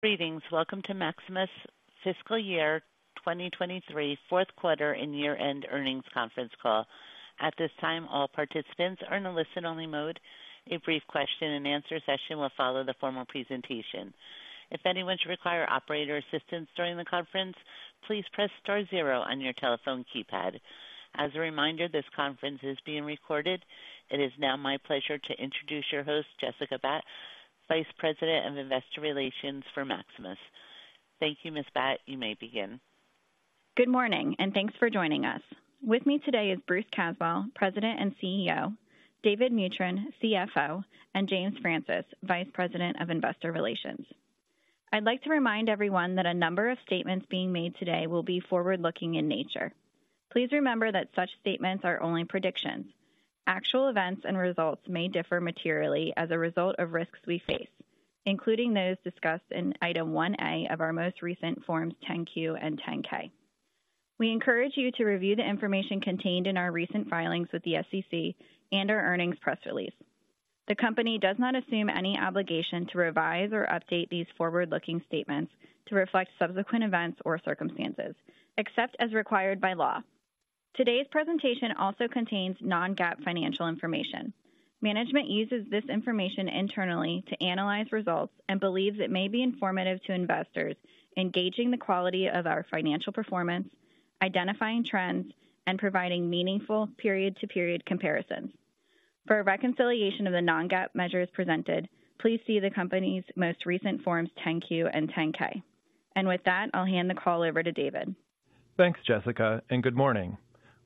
Greetings. Welcome to Maximus Fiscal Year 2023, Fourth Quarter and Year-End Earnings Conference Call. At this time, all participants are in a listen-only mode. A brief question-and-answer session will follow the formal presentation. If anyone should require operator assistance during the conference, please press star zero on your telephone keypad. As a reminder, this conference is being recorded. It is now my pleasure to introduce your host, Jessica Batt, Vice President of Investor Relations for Maximus. Thank you, Ms. Batt. You may begin. Good morning, and thanks for joining us. With me today is Bruce Caswell, President and CEO, David Mutryn, CFO, and James Francis, Vice President of Investor Relations. I'd like to remind everyone that a number of statements being made today will be forward-looking in nature. Please remember that such statements are only predictions. Actual events and results may differ materially as a result of risks we face, including those discussed in Item 1A of our most recent Forms 10-Q and 10-K. We encourage you to review the information contained in our recent filings with the SEC and our earnings press release. The company does not assume any obligation to revise or update these forward-looking statements to reflect subsequent events or circumstances, except as required by law. Today's presentation also contains non-GAAP financial information. Management uses this information internally to analyze results and believes it may be informative to investors in gauging the quality of our financial performance, identifying trends, and providing meaningful period-to-period comparisons. For a reconciliation of the non-GAAP measures presented, please see the company's most recent Forms 10-Q and 10-K. With that, I'll hand the call over to David. Thanks, Jessica, and good morning.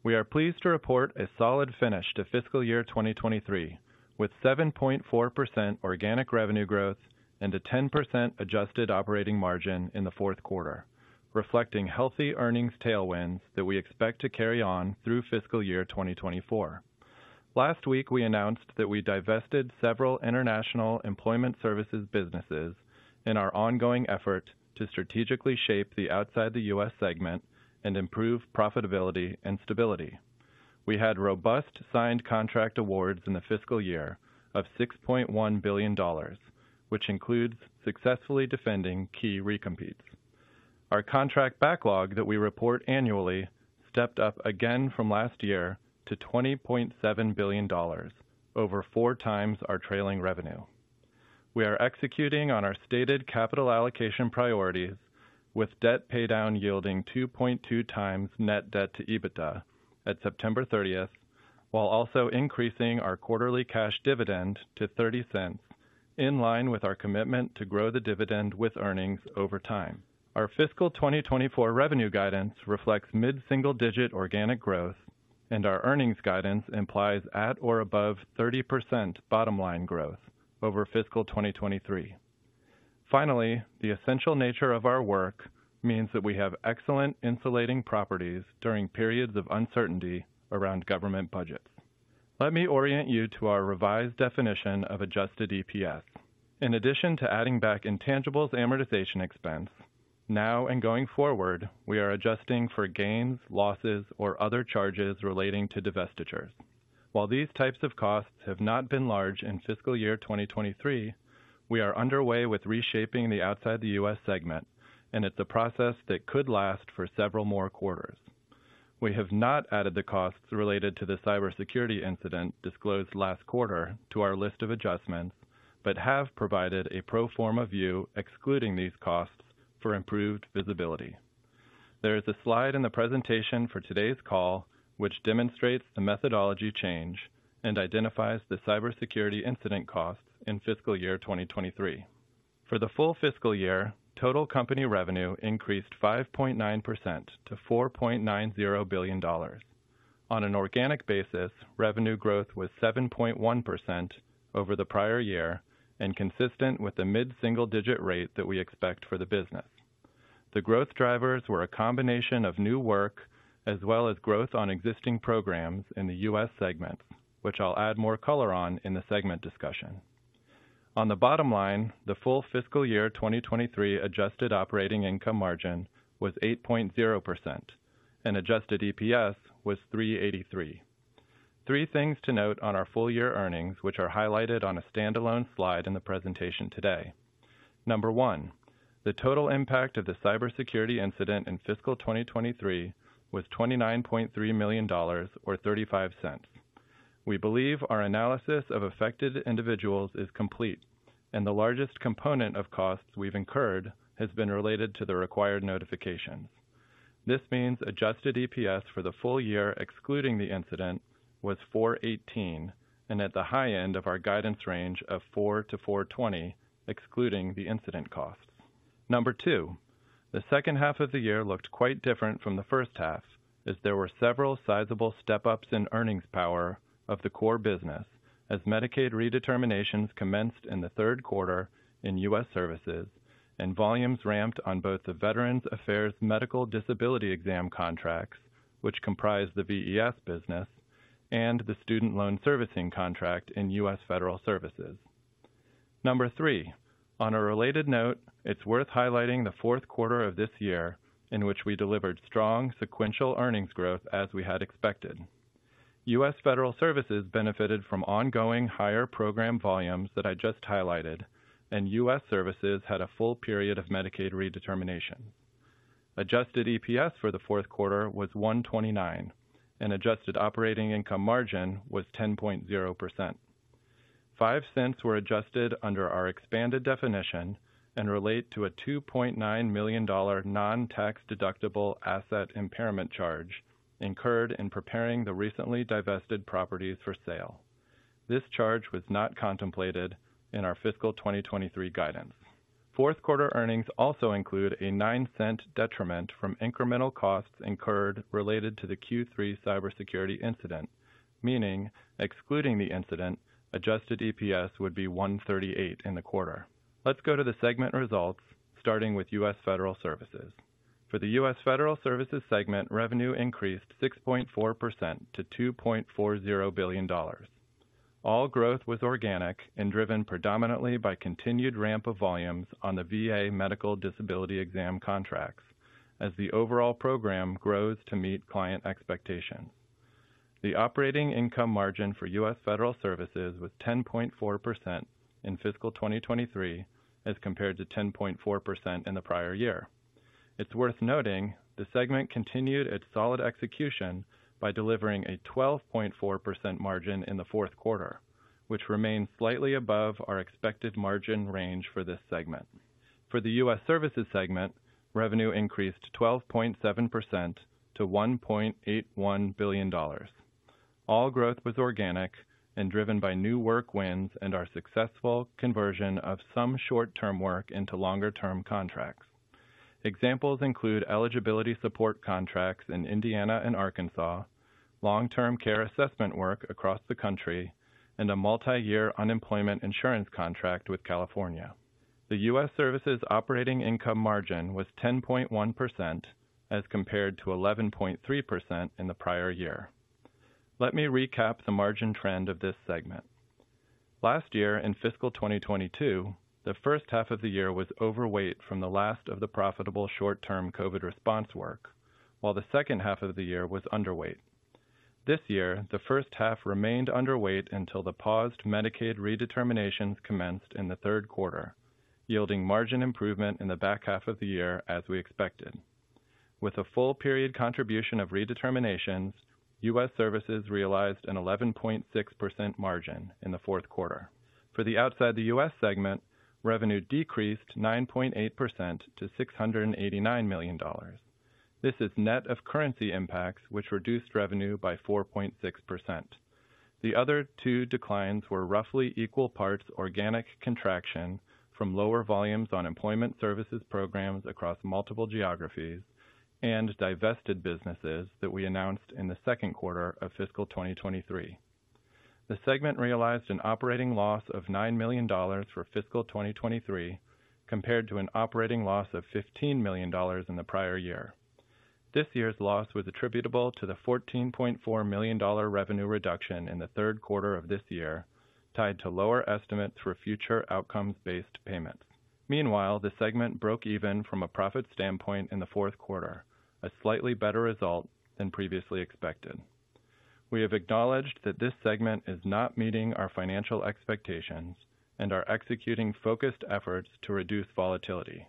We are pleased to report a solid finish to fiscal year 2023, with 7.4% organic revenue growth and a 10% adjusted operating margin in the fourth quarter, reflecting healthy earnings tailwinds that we expect to carry on through fiscal year 2024. Last week, we announced that we divested several international employment services businesses in our ongoing effort to strategically shape the outside the U.S. segment and improve profitability and stability. We had robust signed contract awards in the fiscal year of $6.1 billion, which includes successfully defending key recompetes. Our contract backlog that we report annually stepped up again from last year to $20.7 billion, over 4x our trailing revenue. We are executing on our stated capital allocation priorities with debt paydown yielding 2.2x net debt to EBITDA at September 30, while also increasing our quarterly cash dividend to $0.30, in line with our commitment to grow the dividend with earnings over time. Our fiscal 2024 revenue guidance reflects mid-single-digit organic growth, and our earnings guidance implies at or above 30% bottom line growth over fiscal 2023. Finally, the essential nature of our work means that we have excellent insulating properties during periods of uncertainty around government budgets. Let me orient you to our revised definition of Adjusted EPS. In addition to adding back intangibles amortization expense, now and going forward, we are adjusting for gains, losses, or other charges relating to divestitures. While these types of costs have not been large in fiscal year 2023, we are underway with reshaping the outside the US segment, and it's a process that could last for several more quarters. We have not added the costs related to the cybersecurity incident disclosed last quarter to our list of adjustments, but have provided a pro forma view, excluding these costs for improved visibility. There is a slide in the presentation for today's call, which demonstrates the methodology change and identifies the cybersecurity incident costs in fiscal year 2023. For the full fiscal year, total company revenue increased 5.9% to $4.90 billion. On an organic basis, revenue growth was 7.1% over the prior year and consistent with the mid-single-digit rate that we expect for the business. The growth drivers were a combination of new work as well as growth on existing programs in the U.S. segments, which I'll add more color on in the segment discussion. On the bottom line, the full fiscal year 2023 adjusted operating income margin was 8.0%, and adjusted EPS was $3.83. Three things to note on our full year earnings, which are highlighted on a standalone slide in the presentation today. Number one, the total impact of the cybersecurity incident in fiscal 2023 was $29.3 million or $0.35. We believe our analysis of affected individuals is complete, and the largest component of costs we've incurred has been related to the required notifications. This means Adjusted EPS for the full year, excluding the incident, was 4.18 and at the high end of our guidance range of 4-4.20, excluding the incident costs. Number two, the second half of the year looked quite different from the first half, as there were several sizable step-ups in earnings power of the core business, as Medicaid redeterminations commenced in the third quarter in U.S. Services, and volumes ramped on both the Veterans Affairs medical disability exam contracts, which comprise the VES business and the student loan servicing contract in U.S. Federal Services. Number three, on a related note, it's worth highlighting the fourth quarter of this year in which we delivered strong sequential earnings growth as we had expected. U.S. Federal Services benefited from ongoing higher program volumes that I just highlighted, and U.S. Services had a full period of Medicaid Redetermination. Adjusted EPS for the fourth quarter was $1.29, and adjusted operating income margin was 10.0%. $0.05 were adjusted under our expanded definition and relate to a $2.9 million non-tax deductible asset impairment charge incurred in preparing the recently divested properties for sale. This charge was not contemplated in our fiscal 2023 guidance. Fourth quarter earnings also include a $0.09 detriment from incremental costs incurred related to the Q3 cybersecurity incident, meaning excluding the incident, Adjusted EPS would be $1.38 in the quarter. Let's go to the segment results, starting with US Federal Services. For the US Federal Services segment, revenue increased 6.4% to $2.40 billion. All growth was organic and driven predominantly by continued ramp of volumes on the VA medical disability exam contracts as the overall program grows to meet client expectations. The operating income margin for US Federal Services was 10.4% in fiscal 2023, as compared to 10.4% in the prior year. It's worth noting the segment continued its solid execution by delivering a 12.4% margin in the fourth quarter, which remains slightly above our expected margin range for this segment. For the US Services segment, revenue increased 12.7% to $1.81 billion. All growth was organic and driven by new work wins and our successful conversion of some short-term work into longer-term contracts. Examples include eligibility support contracts in Indiana and Arkansas, long-term care assessment work across the country, and a multi-year unemployment insurance contract with California. The US Services operating income margin was 10.1% as compared to 11.3% in the prior year. Let me recap the margin trend of this segment. Last year, in fiscal 2022, the first half of the year was overweight from the last of the profitable short-term COVID response work, while the second half of the year was underweight. This year, the first half remained underweight until the paused Medicaid redeterminations commenced in the third quarter, yielding margin improvement in the back half of the year, as we expected. With a full period contribution of redeterminations, US Services realized an 11.6% margin in the fourth quarter. For the outside the U.S. segment, revenue decreased 9.8% to $689 million. This is net of currency impacts, which reduced revenue by 4.6%. The other two declines were roughly equal parts organic contraction from lower volumes on employment services programs across multiple geographies and divested businesses that we announced in the second quarter of fiscal 2023. The segment realized an operating loss of $9 million for fiscal 2023, compared to an operating loss of $15 million in the prior year. This year's loss was attributable to the $14.4 million revenue reduction in the third quarter of this year, tied to lower estimates for future outcomes-based payments. Meanwhile, the segment broke even from a profit standpoint in the fourth quarter, a slightly better result than previously expected. We have acknowledged that this segment is not meeting our financial expectations and are executing focused efforts to reduce volatility.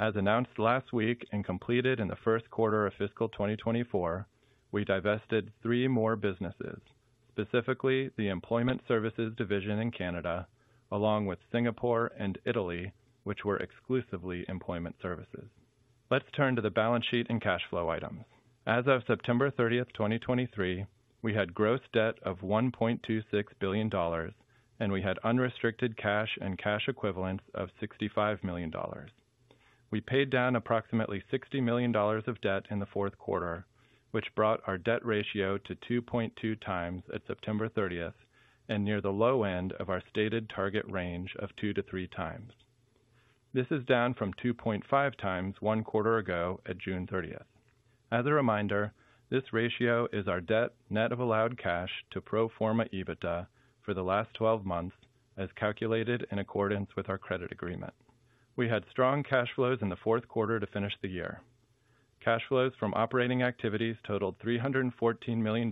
As announced last week and completed in the first quarter of fiscal 2024, we divested three more businesses, specifically the Employment Services division in Canada, along with Singapore and Italy, which were exclusively employment services. Let's turn to the balance sheet and cash flow items. As of September 30, 2023, we had gross debt of $1.26 billion, and we had unrestricted cash and cash equivalents of $65 million. We paid down approximately $60 million of debt in the fourth quarter, which brought our debt ratio to 2.2x at September 30, and near the low end of our stated target range of 2x-3x. This is down from 2.5x one quarter ago at June 30. As a reminder, this ratio is our debt, net of allowed cash to pro forma EBITDA for the last 12 months, as calculated in accordance with our credit agreement. We had strong cash flows in the fourth quarter to finish the year. Cash flows from operating activities totaled $314 million,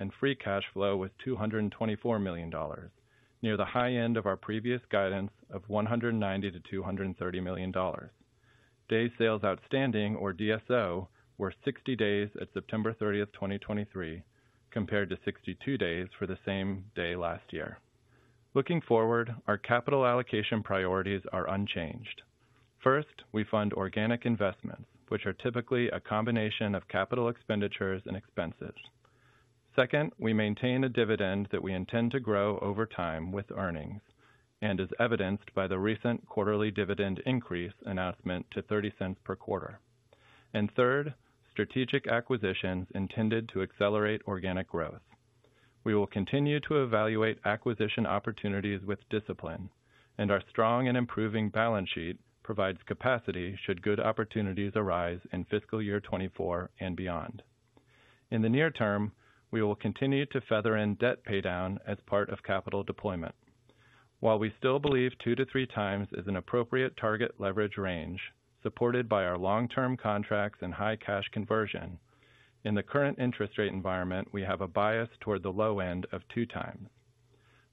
and free cash flow was $224 million, near the high end of our previous guidance of $190 million-$230 million. Day sales outstanding, or DSO, were 60 days at September 30, 2023, compared to 62 days for the same day last year. Looking forward, our capital allocation priorities are unchanged. First, we fund organic investments, which are typically a combination of capital expenditures and expenses. Second, we maintain a dividend that we intend to grow over time with earnings and is evidenced by the recent quarterly dividend increase announcement to $0.30 per quarter. Third, strategic acquisitions intended to accelerate organic growth. We will continue to evaluate acquisition opportunities with discipline, and our strong and improving balance sheet provides capacity should good opportunities arise in fiscal year 2024 and beyond. In the near term, we will continue to feather in debt paydown as part of capital deployment... While we still believe 2x-3x is an appropriate target leverage range, supported by our long-term contracts and high cash conversion, in the current interest rate environment, we have a bias toward the low end of 2x.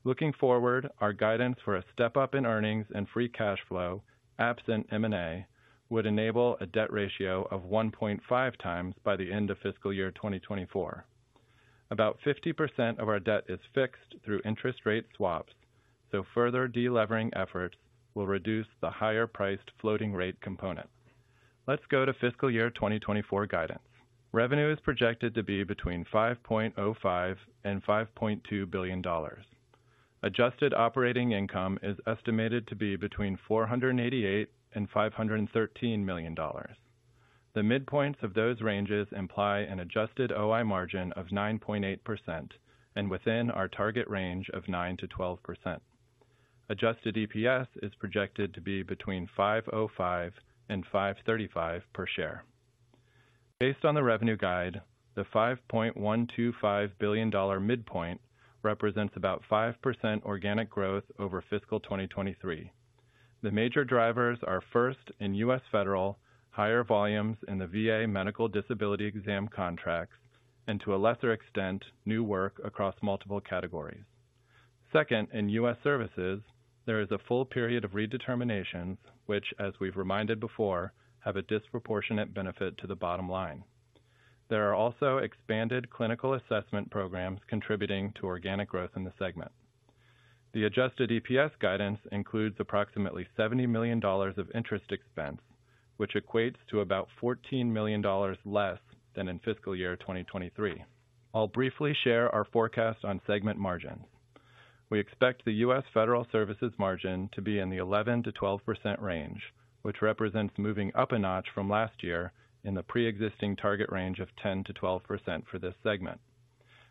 Looking forward, our guidance for a step-up in earnings and free cash flow, absent M&A, would enable a debt ratio of 1.5x by the end of fiscal year 2024. About 50% of our debt is fixed through interest rate swaps, so further de-levering efforts will reduce the higher-priced floating rate component. Let's go to fiscal year 2024 guidance. Revenue is projected to be between $5.05 billion-$5.2 billion. Adjusted operating income is estimated to be between $488 million-$513 million. The midpoints of those ranges imply an adjusted OI margin of 9.8% and within our target range of 9%-12%. Adjusted EPS is projected to be between $5.05 and $5.35 per share. Based on the revenue guide, the $5.125 billion midpoint represents about 5% organic growth over fiscal 2023. The major drivers are, first, in US Federal, higher volumes in the VA medical disability exam contracts, and to a lesser extent, new work across multiple categories. Second, in US Services, there is a full period of redeterminations, which, as we've reminded before, have a disproportionate benefit to the bottom line. There are also expanded clinical assessment programs contributing to organic growth in the segment. The Adjusted EPS guidance includes approximately $70 million of interest expense, which equates to about $14 million less than in fiscal year 2023. I'll briefly share our forecast on segment margins. We expect the U.S. Federal Services margin to be in the 11%-12% range, which represents moving up a notch from last year in the pre-existing target range of 10%-12% for this segment.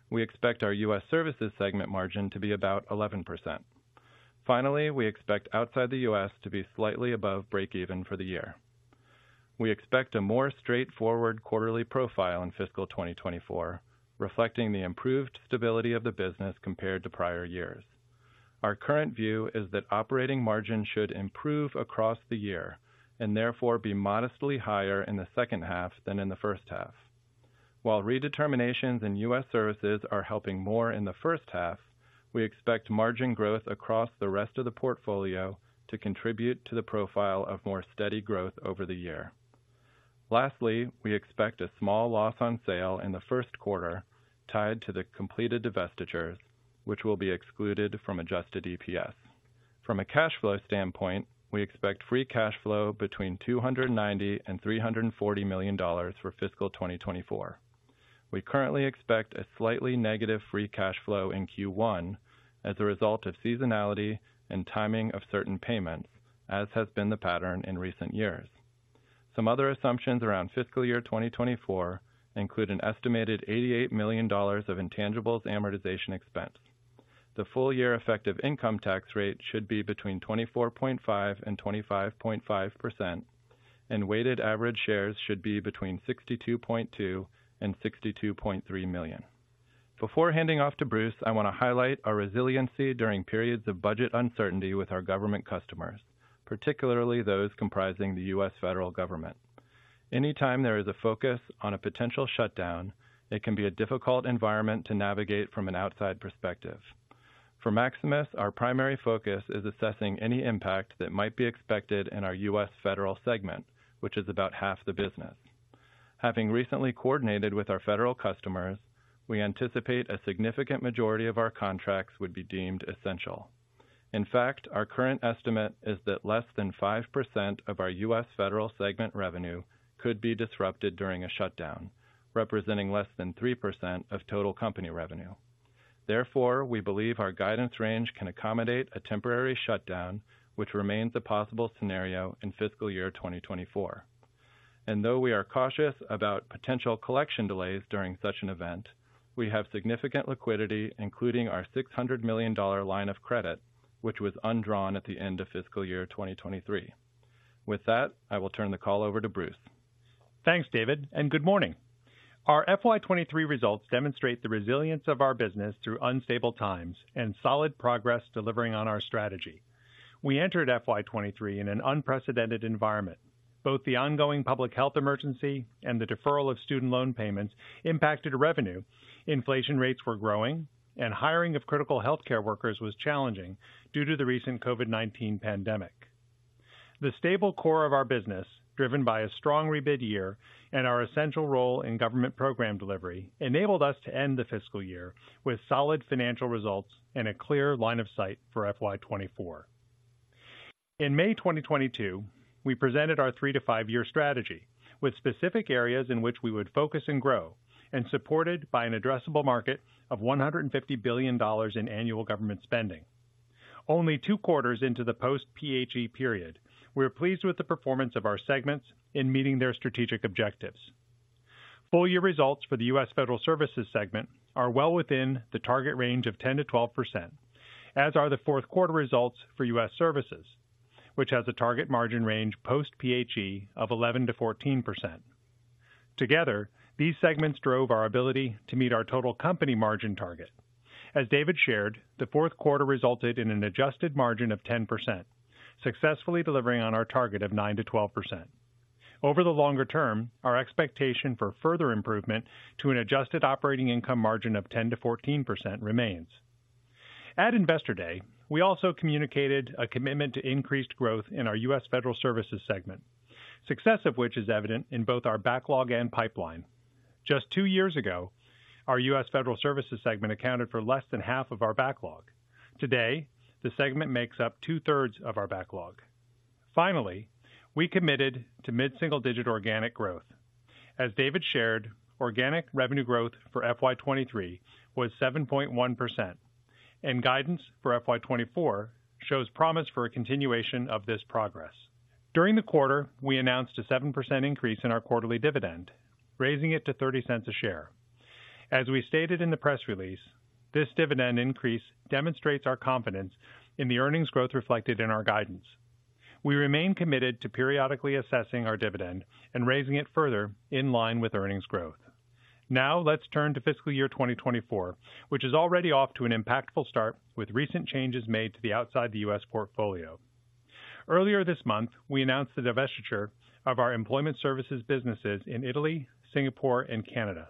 We expect our U.S. Services segment margin to be about 11%. Finally, we expect outside the U.S. to be slightly above breakeven for the year. We expect a more straightforward quarterly profile in fiscal 2024, reflecting the improved stability of the business compared to prior years. Our current view is that operating margin should improve across the year and therefore be modestly higher in the second half than in the first half. While redeterminations in U.S. Services are helping more in the first half, we expect margin growth across the rest of the portfolio to contribute to the profile of more steady growth over the year. Lastly, we expect a small loss on sale in the first quarter tied to the completed divestitures, which will be excluded from adjusted EPS. From a cash flow standpoint, we expect free cash flow between $290 million and $340 million for fiscal 2024. We currently expect a slightly negative free cash flow in Q1 as a result of seasonality and timing of certain payments, as has been the pattern in recent years. Some other assumptions around fiscal year 2024 include an estimated $88 million of intangibles amortization expense. The full-year effective income tax rate should be between 24.5% and 25.5%, and weighted average shares should be between 62.2 million and 62.3 million. Before handing off to Bruce, I want to highlight our resiliency during periods of budget uncertainty with our government customers, particularly those comprising the U.S. federal government. Anytime there is a focus on a potential shutdown, it can be a difficult environment to navigate from an outside perspective. For Maximus, our primary focus is assessing any impact that might be expected in our U.S. Federal segment, which is about half the business. Having recently coordinated with our federal customers, we anticipate a significant majority of our contracts would be deemed essential. In fact, our current estimate is that less than 5% of our U.S. Federal segment revenue could be disrupted during a shutdown, representing less than 3% of total company revenue. Therefore, we believe our guidance range can accommodate a temporary shutdown, which remains a possible scenario in fiscal year 2024. Though we are cautious about potential collection delays during such an event, we have significant liquidity, including our $600 million line of credit, which was undrawn at the end of fiscal year 2023. With that, I will turn the call over to Bruce. Thanks, David, and good morning. Our FY 2023 results demonstrate the resilience of our business through unstable times and solid progress delivering on our strategy. We entered FY 2023 in an unprecedented environment. Both the ongoing public health emergency and the deferral of student loan payments impacted revenue, inflation rates were growing, and hiring of critical healthcare workers was challenging due to the recent COVID-19 pandemic. The stable core of our business, driven by a strong rebid year and our essential role in government program delivery, enabled us to end the fiscal year with solid financial results and a clear line of sight for FY 2024. In May 2022, we presented our three to five year strategy, with specific areas in which we would focus and grow, and supported by an addressable market of $150 billion in annual government spending. Only two quarters into the post-PHE period, we are pleased with the performance of our segments in meeting their strategic objectives. Full year results for the U.S. Federal Services segment are well within the target range of 10%-12%, as are the fourth quarter results for U.S. Services, which has a target margin range post-PHE of 11%-14%. Together, these segments drove our ability to meet our total company margin target. As David shared, the fourth quarter resulted in an adjusted margin of 10%, successfully delivering on our target of 9%-12%. Over the longer term, our expectation for further improvement to an adjusted operating income margin of 10%-14% remains. At Investor Day, we also communicated a commitment to increased growth in our U.S. Federal Services segment, success of which is evident in both our backlog and pipeline. Just two years ago, our U.S. Federal Services segment accounted for less than half of our backlog. Today, the segment makes up two-thirds of our backlog. Finally, we committed to mid-single-digit organic growth. As David shared, organic revenue growth for FY 2023 was 7.1%, and guidance for FY 2024 shows promise for a continuation of this progress. During the quarter, we announced a 7% increase in our quarterly dividend, raising it to $0.30 a share. As we stated in the press release, this dividend increase demonstrates our confidence in the earnings growth reflected in our guidance. We remain committed to periodically assessing our dividend and raising it further in line with earnings growth. Now, let's turn to fiscal year 2024, which is already off to an impactful start with recent changes made to the outside the U.S. portfolio. Earlier this month, we announced the divestiture of our employment services businesses in Italy, Singapore, and Canada.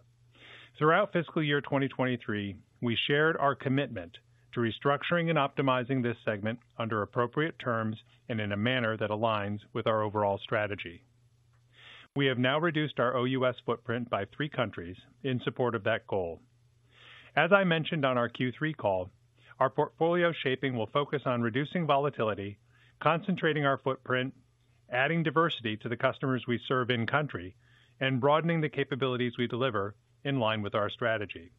Throughout fiscal year 2023, we shared our commitment to restructuring and optimizing this segment under appropriate terms and in a manner that aligns with our overall strategy. We have now reduced our OUS footprint by three countries in support of that goal. As I mentioned on our Q3 call, our portfolio shaping will focus on reducing volatility, concentrating our footprint, adding diversity to the customers we serve in-country, and broadening the capabilities we deliver in line with our strategy.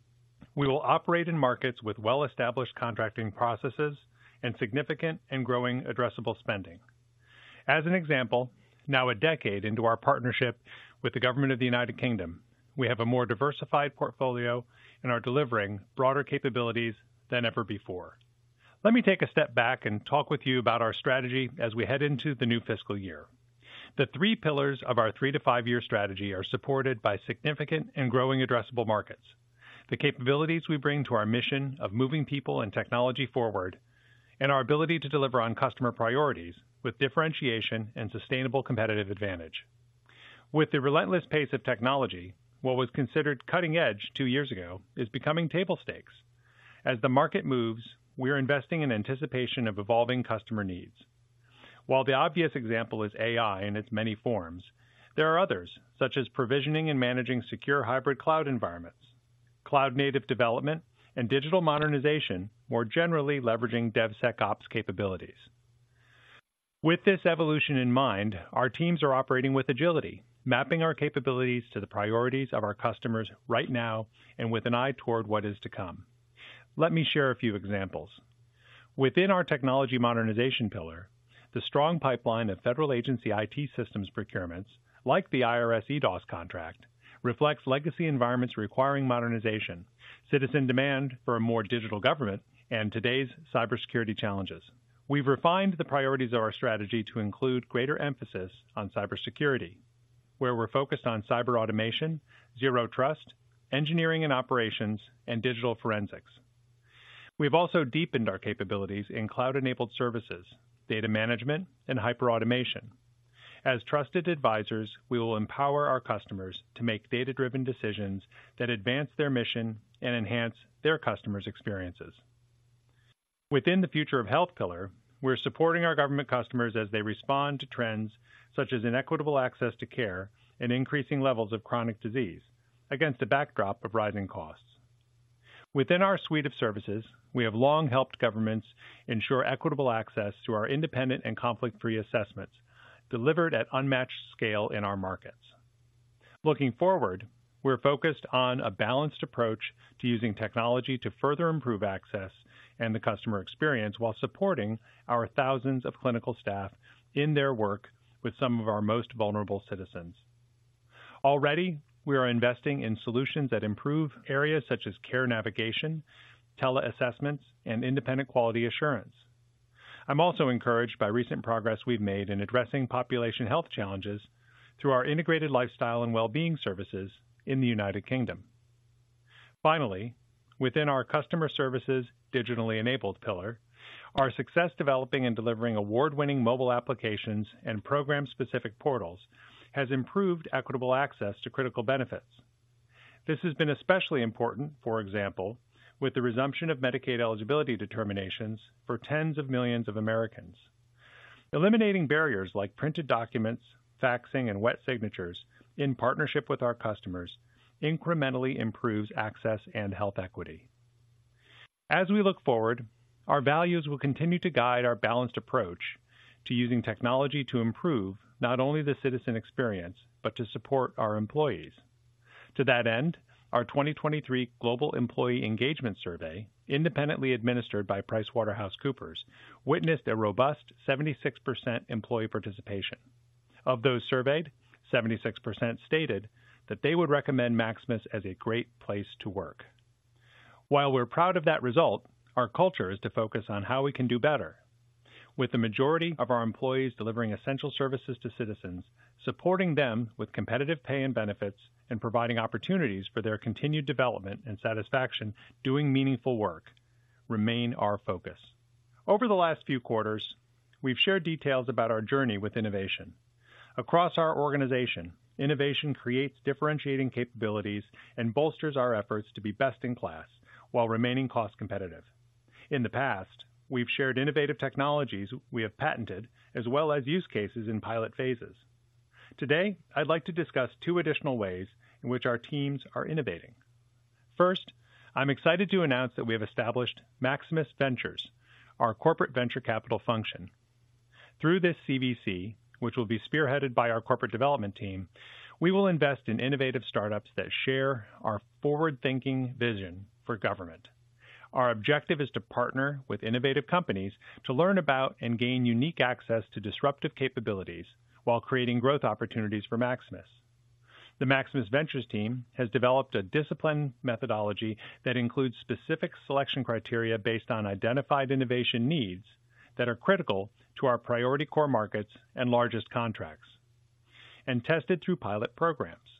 We will operate in markets with well-established contracting processes and significant and growing addressable spending. As an example, now a decade into our partnership with the government of the United Kingdom, we have a more diversified portfolio and are delivering broader capabilities than ever before. Let me take a step back and talk with you about our strategy as we head into the new fiscal year. The three pillars of our three-to-five-year strategy are supported by significant and growing addressable markets, the capabilities we bring to our mission of moving people and technology forward, and our ability to deliver on customer priorities with differentiation and sustainable competitive advantage. With the relentless pace of technology, what was considered cutting-edge two years ago is becoming table stakes. As the market moves, we are investing in anticipation of evolving customer needs. While the obvious example is AI in its many forms, there are others, such as provisioning and managing secure hybrid cloud environments, cloud-native development, and digital modernization, more generally leveraging DevSecOps capabilities. With this evolution in mind, our teams are operating with agility, mapping our capabilities to the priorities of our customers right now and with an eye toward what is to come. Let me share a few examples. Within our technology modernization pillar, the strong pipeline of federal agency IT systems procurements, like the IRS EDOS contract, reflects legacy environments requiring modernization, citizen demand for a more digital government, and today's cybersecurity challenges. We've refined the priorities of our strategy to include greater emphasis on cybersecurity, where we're focused on cyber automation, Zero Trust, engineering and operations, and digital forensics. We've also deepened our capabilities in cloud-enabled services, data management, and hyperautomation. As trusted advisors, we will empower our customers to make data-driven decisions that advance their mission and enhance their customers' experiences. Within the future of health pillar, we're supporting our government customers as they respond to trends such as inequitable access to care and increasing levels of chronic disease against a backdrop of rising costs. Within our suite of services, we have long helped governments ensure equitable access to our independent and conflict-free assessments, delivered at unmatched scale in our markets. Looking forward, we're focused on a balanced approach to using technology to further improve access and the customer experience while supporting our thousands of clinical staff in their work with some of our most vulnerable citizens. Already, we are investing in solutions that improve areas such as care navigation, tele assessments, and independent quality assurance. I'm also encouraged by recent progress we've made in addressing population health challenges through our integrated lifestyle and well-being services in the United Kingdom. Finally, within our customer services digitally enabled pillar, our success developing and delivering award-winning mobile applications and program-specific portals has improved equitable access to critical benefits. This has been especially important, for example, with the resumption of Medicaid eligibility determinations for tens of millions of Americans. Eliminating barriers like printed documents, faxing, and wet signatures in partnership with our customers, incrementally improves access and health equity. As we look forward, our values will continue to guide our balanced approach to using technology to improve not only the citizen experience, but to support our employees. To that end, our 2023 Global Employee Engagement Survey, independently administered by PricewaterhouseCoopers, witnessed a robust 76% employee participation. Of those surveyed, 76% stated that they would recommend Maximus as a great place to work. While we're proud of that result, our culture is to focus on how we can do better. With the majority of our employees delivering essential services to citizens, supporting them with competitive pay and benefits, and providing opportunities for their continued development and satisfaction, doing meaningful work remain our focus. Over the last few quarters, we've shared details about our journey with innovation. Across our organization, innovation creates differentiating capabilities and bolsters our efforts to be best in class while remaining cost competitive. In the past, we've shared innovative technologies we have patented as well as use cases in pilot phases. Today, I'd like to discuss two additional ways in which our teams are innovating. First, I'm excited to announce that we have established Maximus Ventures, our corporate venture capital function. Through this CVC, which will be spearheaded by our corporate development team, we will invest in innovative startups that share our forward-thinking vision for government. Our objective is to partner with innovative companies to learn about and gain unique access to disruptive capabilities while creating growth opportunities for Maximus. The Maximus Ventures team has developed a disciplined methodology that includes specific selection criteria based on identified innovation needs that are critical to our priority core markets and largest contracts, and tested through pilot programs.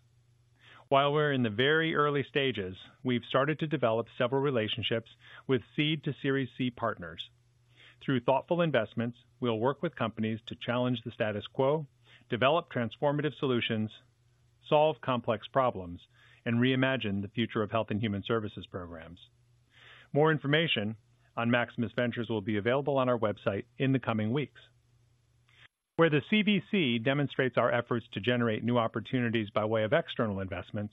While we're in the very early stages, we've started to develop several relationships with seed to Series C partners. Through thoughtful investments, we'll work with companies to challenge the status quo, develop transformative solutions, solve complex problems, and reimagine the future of health and human services programs. More information on Maximus Ventures will be available on our website in the coming weeks. Where the CVC demonstrates our efforts to generate new opportunities by way of external investments,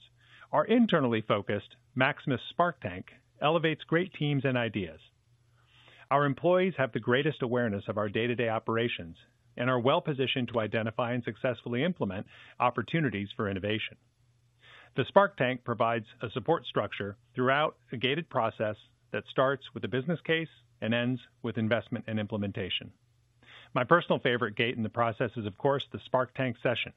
our internally focused Maximus Spark Tank elevates great teams and ideas. Our employees have the greatest awareness of our day-to-day operations and are well-positioned to identify and successfully implement opportunities for innovation. The Spark Tank provides a support structure throughout a gated process that starts with a business case and ends with investment and implementation. My personal favorite gate in the process is, of course, the Spark Tank session,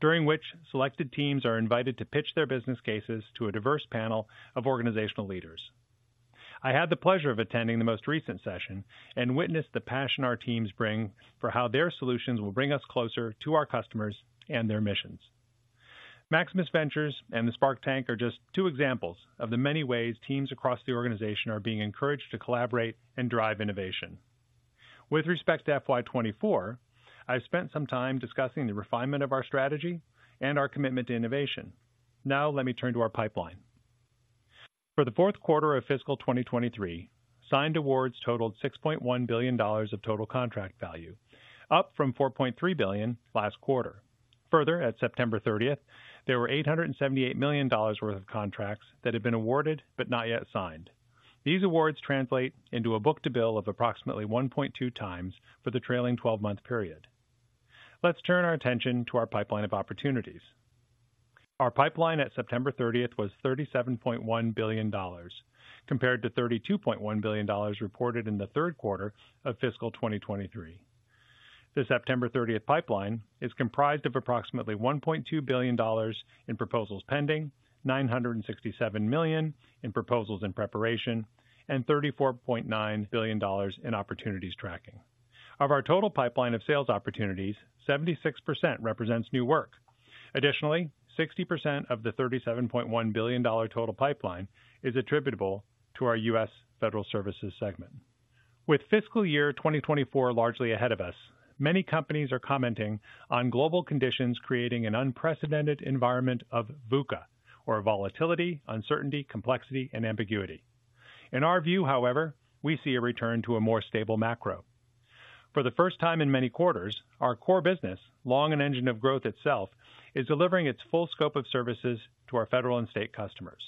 during which selected teams are invited to pitch their business cases to a diverse panel of organizational leaders. I had the pleasure of attending the most recent session and witnessed the passion our teams bring for how their solutions will bring us closer to our customers and their missions. Maximus Ventures and the Spark Tank are just two examples of the many ways teams across the organization are being encouraged to collaborate and drive innovation. With respect to FY 2024, I've spent some time discussing the refinement of our strategy and our commitment to innovation. Now let me turn to our pipeline. For the fourth quarter of fiscal 2023, signed awards totaled $6.1 billion of total contract value, up from $4.3 billion last quarter. Further, at September 30, there were $878 million worth of contracts that had been awarded but not yet signed. These awards translate into a book-to-bill of approximately 1.2x for the trailing twelve-month period. Let's turn our attention to our pipeline of opportunities. Our pipeline at September 30 was $37.1 billion, compared to $32.1 billion reported in the third quarter of fiscal 2023. The September 30th pipeline is comprised of approximately $1.2 billion in proposals pending, $967 million in proposals in preparation, and $34.9 billion in opportunities tracking. Of our total pipeline of sales opportunities, 76% represents new work. Additionally, 60% of the $37.1 billion total pipeline is attributable to our U.S. Federal Services segment. With fiscal year 2024 largely ahead of us, many companies are commenting on global conditions, creating an unprecedented environment of VUCA, or volatility, uncertainty, complexity, and ambiguity. In our view, however, we see a return to a more stable macro. For the first time in many quarters, our core business, long an engine of growth itself, is delivering its full scope of services to our federal and state customers.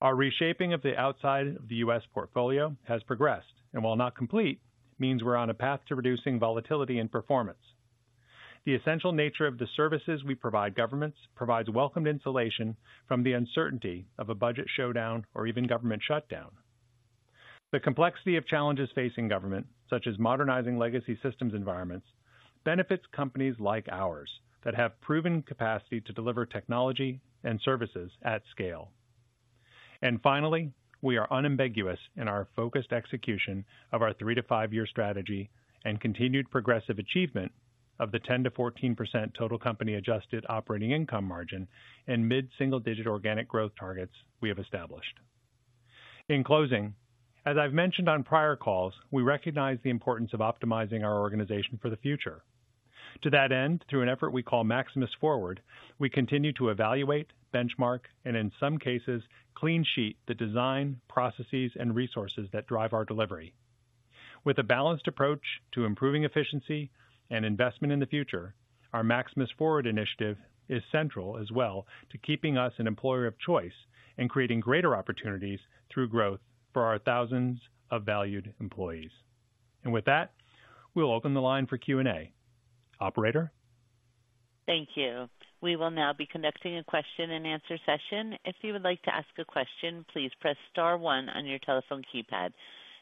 Our reshaping of the outside of the U.S. portfolio has progressed, and while not complete, means we're on a path to reducing volatility and performance. The essential nature of the services we provide governments provides welcomed insulation from the uncertainty of a budget showdown or even government shutdown. The complexity of challenges facing government, such as modernizing legacy systems environments, benefits companies like ours that have proven capacity to deliver technology and services at scale. And finally, we are unambiguous in our focused execution of our three to five year strategy and continued progressive achievement of the 10%-14% total company Adjusted Operating Income margin and mid-single-digit organic growth targets we have established. In closing, as I've mentioned on prior calls, we recognize the importance of optimizing our organization for the future. To that end, through an effort we call Maximus Forward, we continue to evaluate, benchmark, and in some cases, clean sheet the design, processes, and resources that drive our delivery. With a balanced approach to improving efficiency and investment in the future, our Maximus Forward initiative is central as well to keeping us an employer of choice and creating greater opportunities through growth for our thousands of valued employees. With that, we'll open the line for Q&A. Operator? Thank you. We will now be conducting a question-and-answer session. If you would like to ask a question, please press star one on your telephone keypad.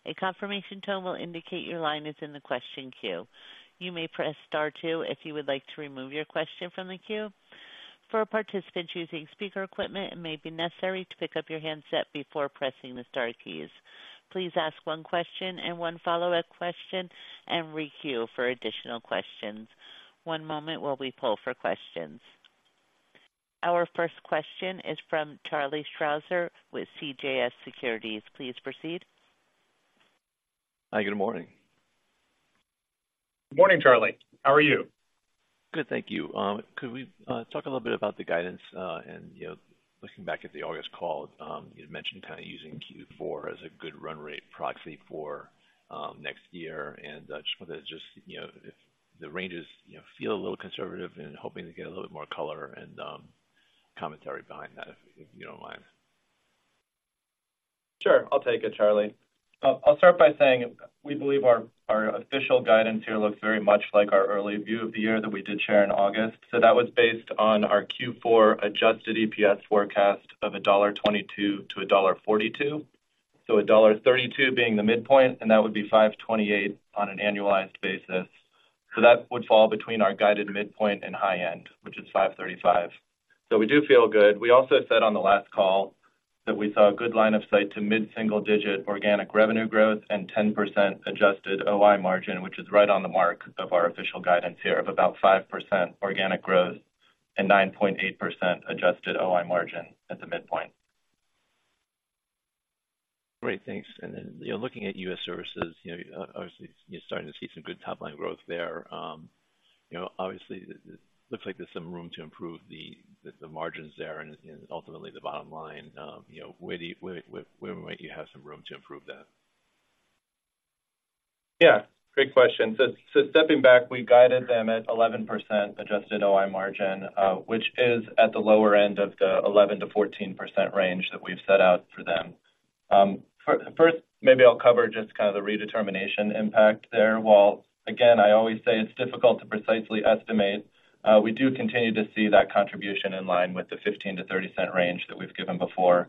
A confirmation tone will indicate your line is in the question queue. You may press Star two if you would like to remove your question from the queue. For a participant choosing speaker equipment, it may be necessary to pick up your handset before pressing the star keys. Please ask one question and one follow-up question, and re-queue for additional questions. One moment while we poll for questions. Our first question is from Charlie Strauzer with CJS Securities. Please proceed. Hi, good morning. Good morning, Charlie. How are you? Good, thank you. Could we talk a little bit about the guidance, and, you know, looking back at the August call, you'd mentioned kind of using Q4 as a good run rate proxy for next year. And just whether, you know, if the ranges, you know, feel a little conservative and hoping to get a little bit more color and commentary behind that, if you don't mind. Sure, I'll take it, Charlie. I'll start by saying we believe our, our official guidance here looks very much like our early view of the year that we did share in August. So that was based on our Q4 Adjusted EPS forecast of $1.22-$1.42. So $1.32 being the midpoint, and that would be $5.28 on an annualized basis. So that would fall between our guided midpoint and high end, which is $5.35. So we do feel good. We also said on the last call that we saw a good line of sight to mid-single digit organic revenue growth and 10% Adjusted OI margin, which is right on the mark of our official guidance here of about 5% organic growth and 9.8% Adjusted OI margin at the midpoint. Great, thanks. Then, you know, looking at U.S. Services, you know, obviously, you're starting to see some good top-line growth there. You know, obviously, it looks like there's some room to improve the margins there and ultimately the bottom line. You know, where might you have some room to improve that? Yeah, great question. So stepping back, we guided them at 11% adjusted OI margin, which is at the lower end of the 11%-14% range that we've set out for them. First, maybe I'll cover just kind of the redetermination impact there. While, again, I always say it's difficult to precisely estimate, we do continue to see that contribution in line with the $0.15-$0.30 range that we've given before.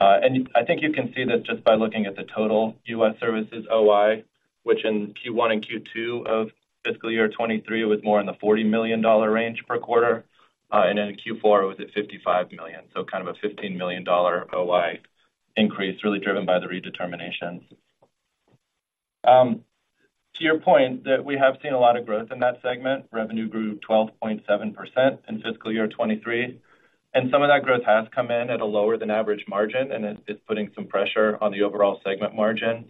And I think you can see this just by looking at the total U.S. Services OI, which in Q1 and Q2 of fiscal year 2023 was more in the $40 million range per quarter, and then in Q4, it was at $55 million. So kind of a $15 million OI increase, really driven by the redeterminations. To your point, that we have seen a lot of growth in that segment. Revenue grew 12.7% in fiscal year 2023, and some of that growth has come in at a lower than average margin, and it's putting some pressure on the overall segment margin.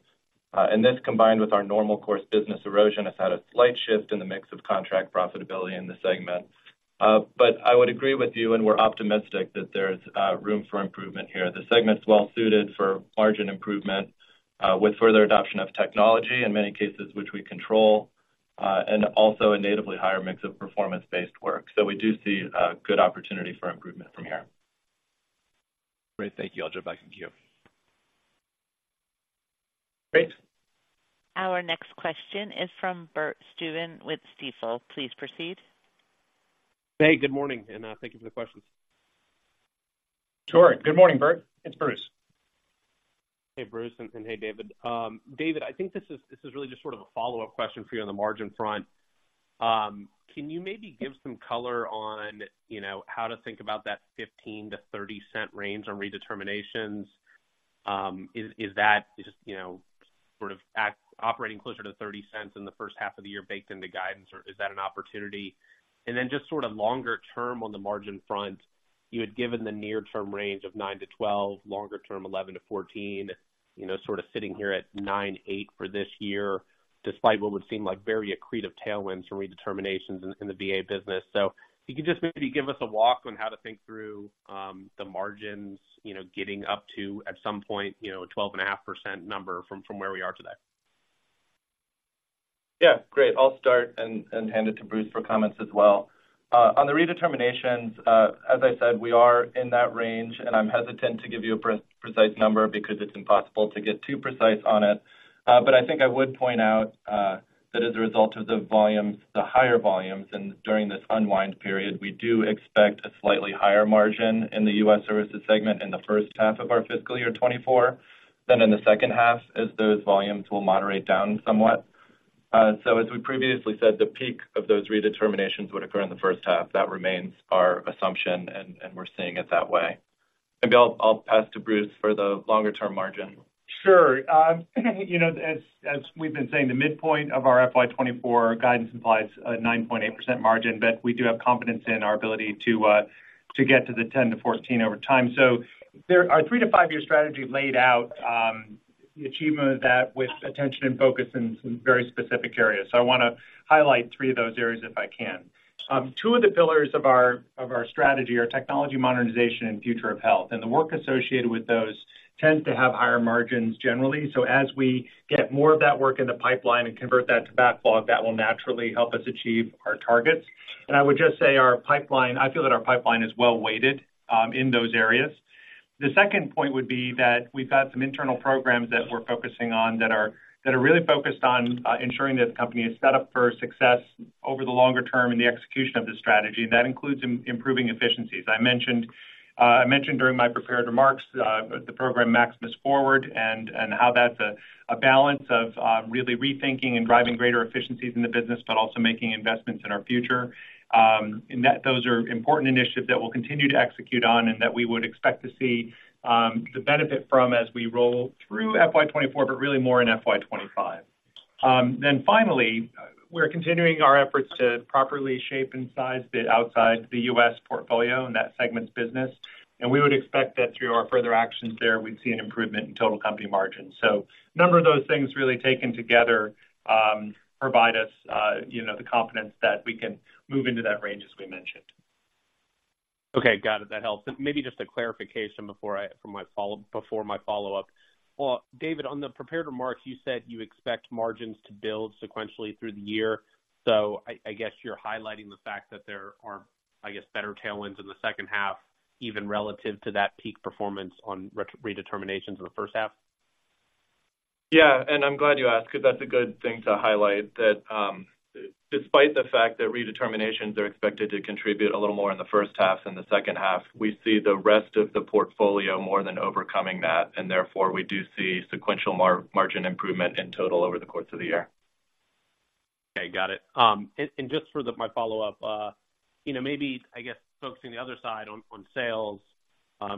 And this, combined with our normal course business erosion, has had a slight shift in the mix of contract profitability in the segment. But I would agree with you, and we're optimistic that there's room for improvement here. The segment's well suited for margin improvement with further adoption of technology, in many cases, which we control, and also a natively higher mix of performance-based work. So we do see good opportunity for improvement from here. Great. Thank you, I'll jump back in queue. Great. Our next question is from Bert Subin with Stifel. Please proceed. Hey, good morning, and thank you for the questions. Sure. Good morning, Bert. It's Bruce. Hey, Bruce, and hey, David. David, I think this is really just sort of a follow-up question for you on the margin front. Can you maybe give some color on, you know, how to think about that $0.15-$0.30 range on redeterminations? Is that just, you know, sort of at operating closer to $0.30 in the first half of the year baked into guidance, or is that an opportunity? And then just sort of longer term on the margin front, you had given the near-term range of 9%-12%, longer-term 11%-14%, you know, sort of sitting here at 9.8% for this year, despite what would seem like very accretive tailwinds from redeterminations in the VA business. If you could just maybe give us a walk on how to think through the margins, you know, getting up to, at some point, you know, a 12.5% number from where we are today. Yeah, great. I'll start and hand it to Bruce for comments as well. On the redeterminations, as I said, we are in that range, and I'm hesitant to give you a precise number because it's impossible to get too precise on it. But I think I would point out that as a result of the volumes, the higher volumes, and during this unwind period, we do expect a slightly higher margin in the U.S. Services segment in the first half of our fiscal year 2024 than in the second half, as those volumes will moderate down somewhat. So as we previously said, the peak of those redeterminations would occur in the first half. That remains our assumption, and we're seeing it that way. Maybe I'll pass to Bruce for the longer-term margin. Sure. You know, as, as we've been saying, the midpoint of our FY 2024 guidance implies a 9.8% margin, but we do have confidence in our ability to get to the 10%-14% over time. Our three to five year strategy laid out the achievement of that with attention and focus in some very specific areas. So I wanna highlight three of those areas, if I can. Two of the pillars of our strategy are technology modernization and future of health, and the work associated with those tends to have higher margins generally. So as we get more of that work in the pipeline and convert that to backlog, that will naturally help us achieve our targets. And I would just say our pipeline, I feel that our pipeline is well-weighted in those areas. The second point would be that we've got some internal programs that we're focusing on that are really focused on ensuring that the company is set up for success over the longer term in the execution of this strategy, and that includes improving efficiencies. I mentioned during my prepared remarks the program Maximus Forward, and how that's a balance of really rethinking and driving greater efficiencies in the business, but also making investments in our future. And that those are important initiatives that we'll continue to execute on and that we would expect to see the benefit from as we roll through FY 2024, but really more in FY 2025.... Then finally, we're continuing our efforts to properly shape and size the outside the U.S. portfolio and that segment's business. And we would expect that through our further actions there, we'd see an improvement in total company margins. So a number of those things really taken together provide us, you know, the confidence that we can move into that range as we mentioned. Okay, got it. That helps. And maybe just a clarification before my follow-up. Well, David, on the prepared remarks, you said you expect margins to build sequentially through the year. So I guess you're highlighting the fact that there are, I guess, better tailwinds in the second half, even relative to that peak performance on redeterminations in the first half? Yeah, and I'm glad you asked, because that's a good thing to highlight, that, despite the fact that redeterminations are expected to contribute a little more in the first half than the second half, we see the rest of the portfolio more than overcoming that, and therefore, we do see sequential margin improvement in total over the course of the year. Okay, got it. Just for the my follow-up, you know, maybe, I guess, focusing the other side on sales,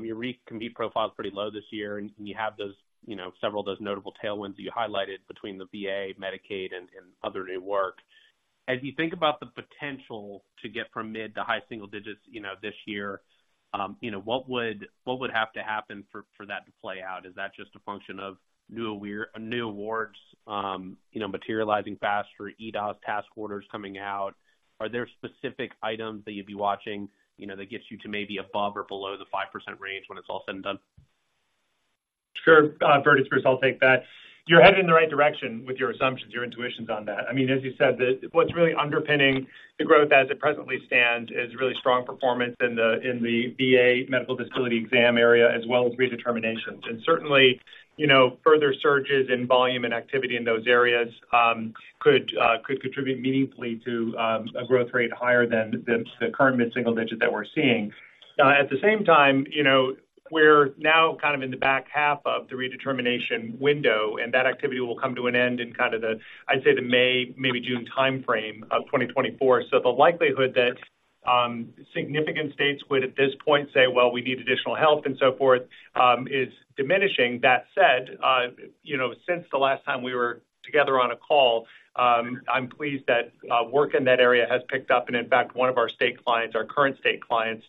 your recompete profile is pretty low this year, and you have those, you know, several of those notable tailwinds that you highlighted between the VA, Medicaid, and other new work. As you think about the potential to get from mid to high single digits, you know, this year, you know, what would, what would have to happen for that to play out? Is that just a function of new awards, you know, materializing faster, EDOS task orders coming out? Are there specific items that you'd be watching, you know, that gets you to maybe above or below the 5% range when it's all said and done? Sure. Bret, first, I'll take that. You're headed in the right direction with your assumptions, your intuitions on that. I mean, as you said, what's really underpinning the growth as it presently stands, is really strong performance in the VA medical facility exam area, as well as redeterminations. And certainly, you know, further surges in volume and activity in those areas could contribute meaningfully to a growth rate higher than the current mid-single digit that we're seeing. At the same time, you know, we're now kind of in the back half of the redetermination window, and that activity will come to an end in kind of the, I'd say, the May, maybe June timeframe of 2024. So the likelihood that significant states would, at this point say, "Well, we need additional help," and so forth is diminishing. That said, you know, since the last time we were together on a call, I'm pleased that work in that area has picked up. And in fact, one of our state clients, our current state clients,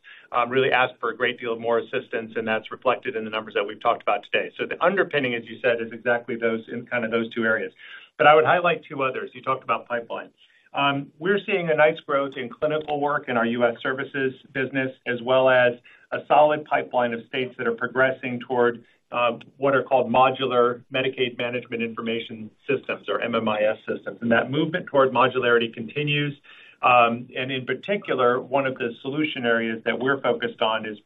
really asked for a great deal of more assistance, and that's reflected in the numbers that we've talked about today. So the underpinning, as you said, is exactly those in kind of those two areas. But I would highlight two others. You talked about pipeline. We're seeing a nice growth in clinical work in our U.S. services business, as well as a solid pipeline of states that are progressing toward what are called Modular Medicaid Management Information Systems or MMIS systems. And that movement toward modularity continues. And in particular, one of the solution areas that we're focused on is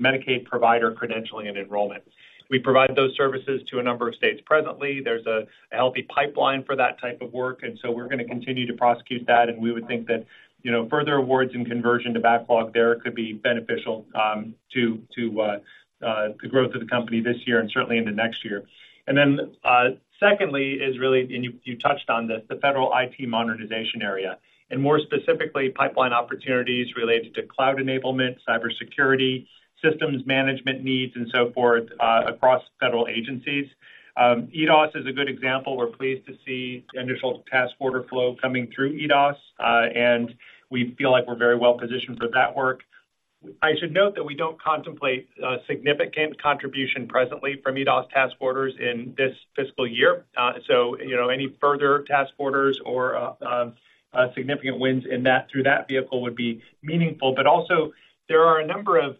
Medicaid provider credentialing and enrollment. We provide those services to a number of states presently. There's a healthy pipeline for that type of work, and so we're going to continue to prosecute that, and we would think that, you know, further awards and conversion to backlog there could be beneficial to the growth of the company this year and certainly into next year. And then, secondly, is really, and you touched on this, the federal IT modernization area, and more specifically, pipeline opportunities related to cloud enablement, cybersecurity, systems management needs, and so forth, across federal agencies. EDOS is a good example. We're pleased to see the initial task order flow coming through EDOS, and we feel like we're very well positioned for that work. I should note that we don't contemplate significant contribution presently from EDOS task orders in this fiscal year. So, you know, any further task orders or significant wins through that vehicle would be meaningful. But also, there are a number of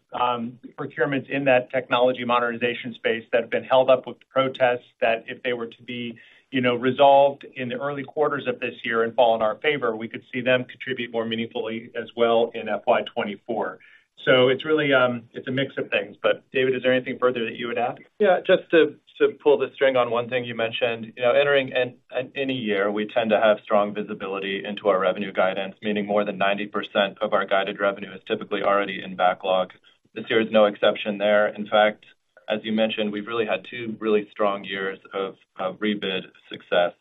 procurements in that technology modernization space that have been held up with protests, that if they were to be, you know, resolved in the early quarters of this year and fall in our favor, we could see them contribute more meaningfully as well in FY 2024. So it's really, it's a mix of things. But David, is there anything further that you would add? Yeah, just to pull the string on one thing you mentioned. You know, entering in a year, we tend to have strong visibility into our revenue guidance, meaning more than 90% of our guided revenue is typically already in backlog. This year is no exception there. In fact, as you mentioned, we've really had two really strong years of rebid success,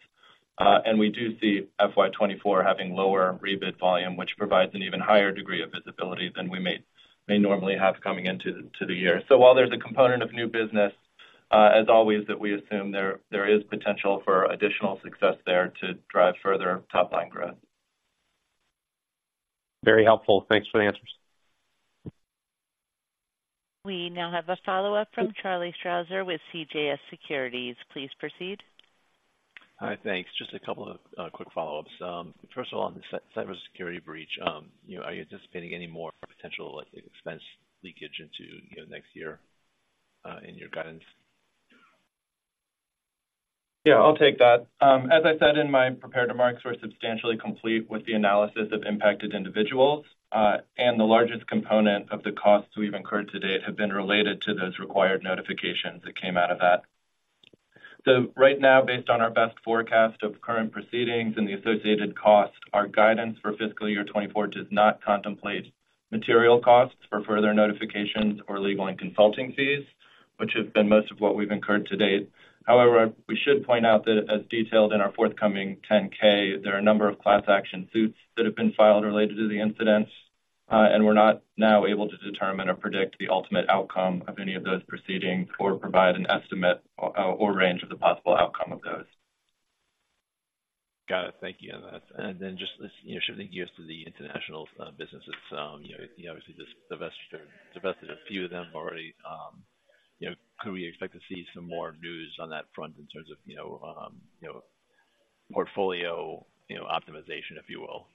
and we do see FY 2024 having lower rebid volume, which provides an even higher degree of visibility than we may normally have coming into the year. So while there's a component of new business, as always, that we assume there is potential for additional success there to drive further top line growth. Very helpful. Thanks for the answers. We now have a follow-up from Charlie Strauzer with CJS Securities. Please proceed. Hi, thanks. Just a couple of quick follow-ups. First of all, on the cybersecurity breach, you know, are you anticipating any more potential, like, expense leakage into, you know, next year, in your guidance? Yeah, I'll take that. As I said in my prepared remarks, we're substantially complete with the analysis of impacted individuals, and the largest component of the costs we've incurred to date have been related to those required notifications that came out of that. So right now, based on our best forecast of current proceedings and the associated costs, our guidance for fiscal year 2024 does not contemplate material costs for further notifications or legal and consulting fees, which have been most of what we've incurred to date. However, we should point out that as detailed in our forthcoming 10-K, there are a number of class action suits that have been filed related to the incidents. And we're not now able to determine or predict the ultimate outcome of any of those proceedings or provide an estimate or range of the possible outcome of those. Got it. Thank you. And then just, you know, shifting gears to the international businesses. You know, you obviously just divested, divested a few of them already. You know, could we expect to see some more news on that front in terms of, you know, you know, portfolio, you know, optimization, if you will?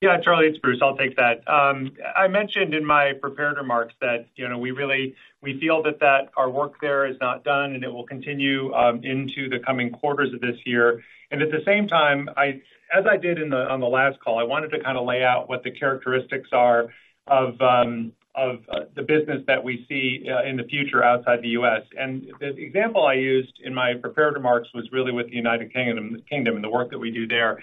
Yeah, Charlie, it's Bruce. I'll take that. I mentioned in my prepared remarks that, you know, we really, we feel that, that our work there is not done, and it will continue into the coming quarters of this year. And at the same time, as I did on the last call, I wanted to kind of lay out what the characteristics are of the business that we see in the future outside the U.S. And the example I used in my prepared remarks was really with the United Kingdom and the work that we do there.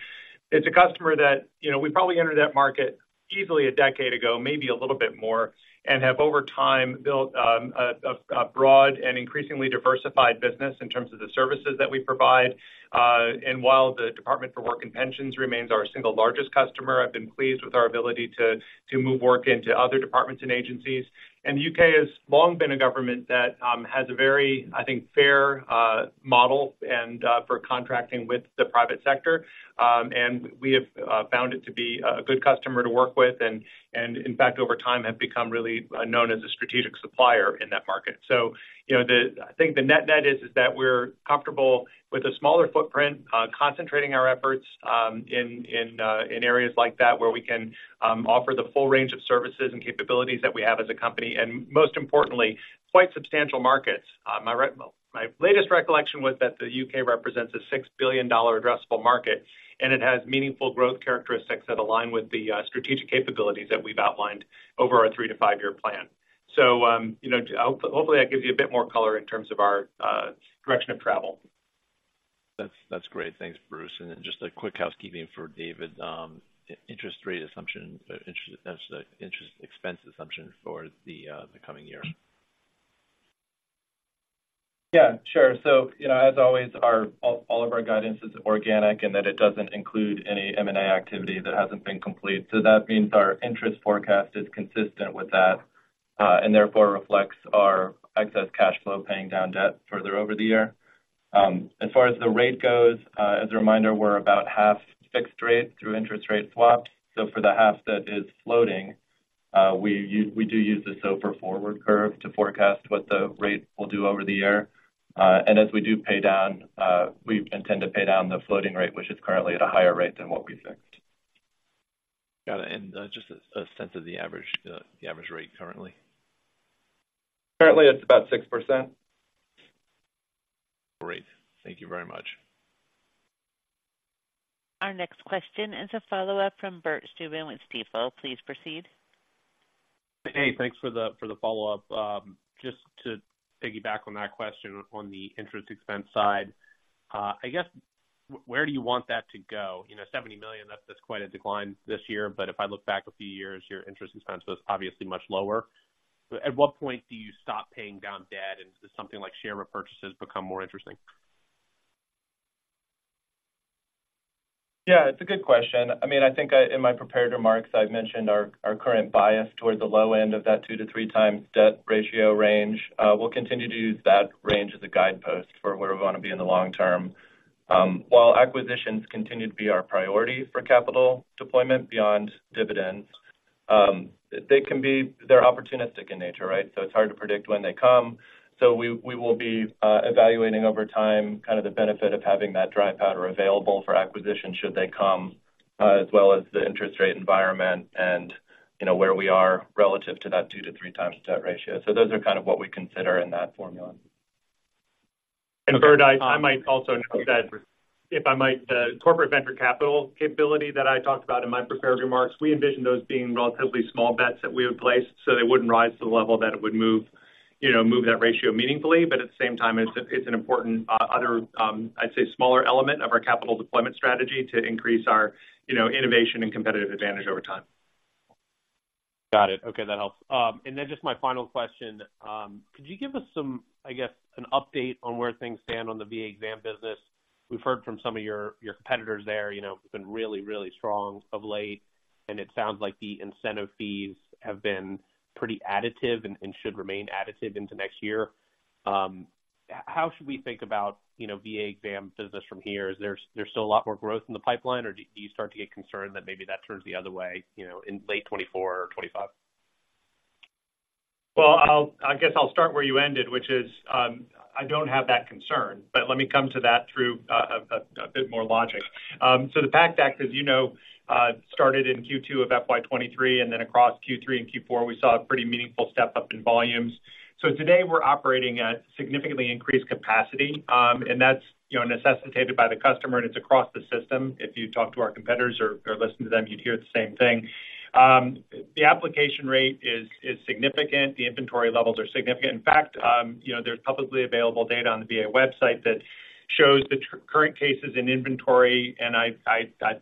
It's a customer that, you know, we probably entered that market easily a decade ago, maybe a little bit more, and have, over time, built a broad and increasingly diversified business in terms of the services that we provide. And while the Department for Work and Pensions remains our single largest customer, I've been pleased with our ability to move work into other departments and agencies. And the U.K. has long been a government that has a very, I think, fair model for contracting with the private sector. And we have found it to be a good customer to work with, and in fact, over time, have become really known as a strategic supplier in that market. So, you know, the... I think the net-net is that we're comfortable with a smaller footprint, concentrating our efforts in areas like that, where we can offer the full range of services and capabilities that we have as a company, and most importantly, quite substantial markets. My latest recollection was that the U.K. represents a $6 billion addressable market, and it has meaningful growth characteristics that align with the strategic capabilities that we've outlined over our three to five year plan. You know, hopefully, that gives you a bit more color in terms of our direction of travel. That's great. Thanks, Bruce. And then just a quick housekeeping for David. Interest rate assumption, interest expense assumption for the coming year. Yeah, sure. So, you know, as always, all of our guidance is organic and that it doesn't include any M&A activity that hasn't been completed. So that means our interest forecast is consistent with that, and therefore reflects our excess cash flow, paying down debt further over the year. As far as the rate goes, as a reminder, we're about half fixed rate through interest rate swaps. So for the half that is floating, we do use the SOFR forward curve to forecast what the rate will do over the year. And as we do pay down, we intend to pay down the floating rate, which is currently at a higher rate than what we fixed. Got it. And, just a sense of the average rate currently. Currently, it's about 6%. Great. Thank you very much. Our next question is a follow-up from Bert Subin with Stifel. Please proceed. Hey, thanks for the follow-up. Just to piggyback on that question on the interest expense side, I guess, where do you want that to go? You know, $70 million, that's quite a decline this year, but if I look back a few years, your interest expense was obviously much lower. At what point do you stop paying down debt, and does something like share repurchases become more interesting? Yeah, it's a good question. I mean, in my prepared remarks, I've mentioned our, our current bias toward the low end of that 2x-3x debt ratio range. We'll continue to use that range as a guidepost for where we want to be in the long term. While acquisitions continue to be our priority for capital deployment beyond dividends, they're opportunistic in nature, right? So it's hard to predict when they come. So we will be evaluating over time, kind of the benefit of having that dry powder available for acquisition, should they come, as well as the interest rate environment and, you know, where we are relative to that 2x-3x debt ratio. So those are kind of what we consider in that formula. And Bert, I might also note that, if I might, the corporate venture capital capability that I talked about in my prepared remarks, we envision those being relatively small bets that we would place, so they wouldn't rise to the level that it would move, you know, move that ratio meaningfully. But at the same time, it's an important other, I'd say, smaller element of our capital deployment strategy to increase our, you know, innovation and competitive advantage over time. Got it. Okay, that helps. And then just my final question, could you give us some, I guess, an update on where things stand on the VA exam business? We've heard from some of your competitors there, you know, it's been really, really strong of late, and it sounds like the incentive fees have been pretty additive and should remain additive into next year. How should we think about, you know, VA exam business from here? Is there still a lot more growth in the pipeline, or do you start to get concerned that maybe that turns the other way, you know, in late 2024 or 2025? Well, I'll—I guess I'll start where you ended, which is, I don't have that concern, but let me come to that through a bit more logic. So the PACT Act, as you know, started in Q2 of FY 2023, and then across Q3 and Q4, we saw a pretty meaningful step-up in volumes. So today, we're operating at significantly increased capacity, and that's, you know, necessitated by the customer, and it's across the system. If you talk to our competitors or listen to them, you'd hear the same thing. The application rate is significant. The inventory levels are significant. In fact, you know, there's publicly available data on the VA website that... Shows the current cases in inventory, and I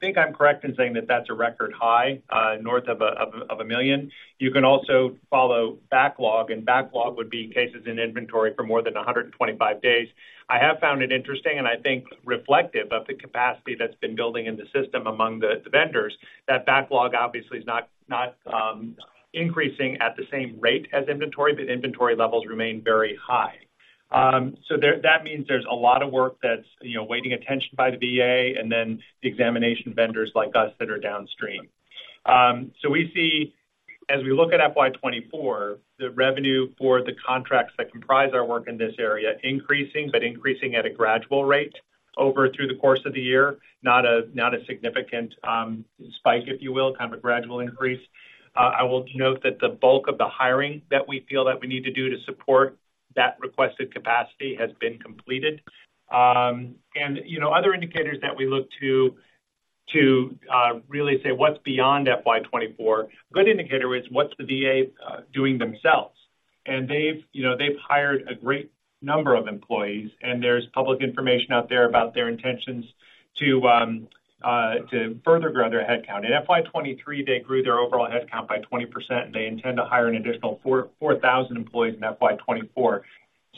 think I'm correct in saying that that's a record high, north of 1 million. You can also follow backlog, and backlog would be cases in inventory for more than 125 days. I have found it interesting and I think reflective of the capacity that's been building in the system among the vendors, that backlog obviously is not increasing at the same rate as inventory, but inventory levels remain very high. So that means there's a lot of work that's, you know, awaiting attention by the VA and then the examination vendors like us that are downstream. So we see, as we look at FY 2024, the revenue for the contracts that comprise our work in this area increasing, but increasing at a gradual rate over through the course of the year, not a significant spike, if you will, kind of a gradual increase. I will note that the bulk of the hiring that we feel that we need to do to support that requested capacity has been completed. And, you know, other indicators that we look to to really say what's beyond FY 2024, a good indicator is what's the VA doing themselves? And they've, you know, they've hired a great number of employees, and there's public information out there about their intentions to to further grow their headcount. In FY 2023, they grew their overall headcount by 20%, and they intend to hire an additional 4,000 employees in FY 2024.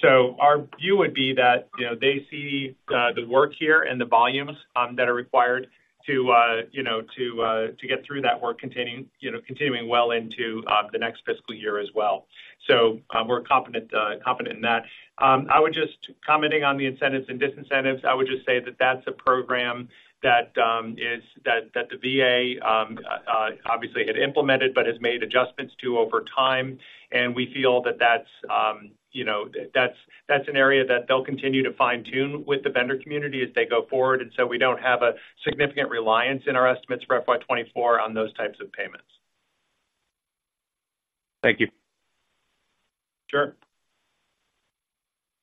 So our view would be that, you know, they see the work here and the volumes that are required to, you know, to get through that work continuing, you know, continuing well into the next fiscal year as well. So, we're confident in that. I would just commenting on the incentives and disincentives, I would just say that that's a program that is, that the VA obviously had implemented but has made adjustments to over time, and we feel that that's, you know, that's an area that they'll continue to fine-tune with the vendor community as they go forward. And so we don't have a significant reliance in our estimates for FY 2024 on those types of payments. Thank you. Sure.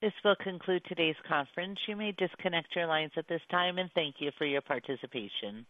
This will conclude today's conference. You may disconnect your lines at this time, and thank you for your participation.